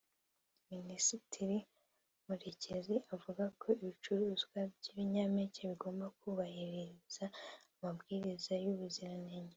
Minisitiri Murekezi avuga ko ibicuruzwa by’ibinyampeke bigomba kubahiriza amabwiriza y’ubuziranenge